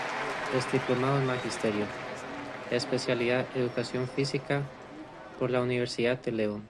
Es diplomado en magisterio, especialidad educación física, por la Universidad de León.